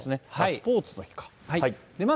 スポーツの日か。